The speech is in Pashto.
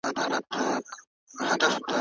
د نفس غوښتنو ته اجازه نه ورکول کېږي.